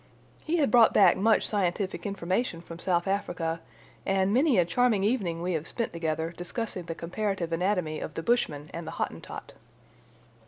He had brought back much scientific information from South Africa, and many a charming evening we have spent together discussing the comparative anatomy of the Bushman and the Hottentot.